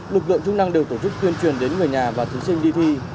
lực lượng chức năng đều tổ chức tuyên truyền đến người nhà và thí sinh đi thi